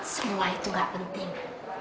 semua itu ga penting